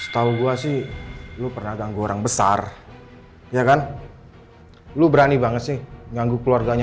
tahu gue sih lu pernah ganggu orang besar ya kan lo berani banget sih ganggu keluarganya